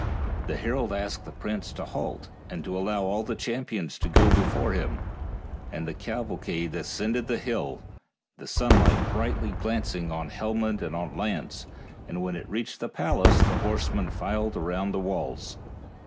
The herald asked the prince to halt and to allow all the champions to go before him; and the caval cade ascended the hill, the sunlight brightly glancing on helmet and on lance, and when it reached the palace the horsemen filed around the walls.